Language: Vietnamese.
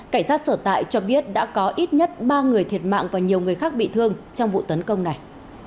cảnh sát sở tại cho biết đã có ít nhất ba người thiệt mạng và nhiều người khác bị thương trong vụ tấn công này